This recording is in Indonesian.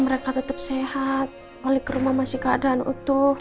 mereka tetap sehat balik ke rumah masih keadaan utuh